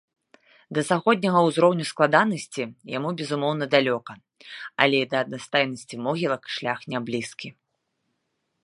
Да заходняга ўзроўню складанасці яму, безумоўна, далёка, але і да аднастайнасці могілак шлях няблізкі.